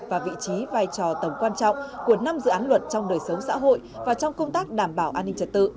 và vị trí vai trò tầm quan trọng của năm dự án luật trong đời sống xã hội và trong công tác đảm bảo an ninh trật tự